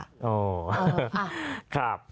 อ๋ออ่าครับ